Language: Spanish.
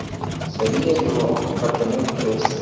Sevilla llegó a tener tres.